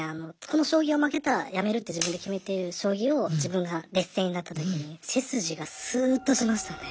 この将棋が負けたら辞めるって自分で決めてる将棋を自分が劣勢になった時に背筋がスーッとしましたね。